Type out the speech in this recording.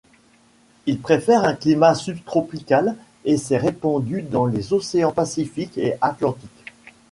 Il préfère un climat subtropical et s'est répandu dans les océans Pacifique et Atlantique.